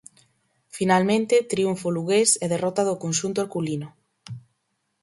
Finalmente, triunfo lugués e derrota do conxunto herculino.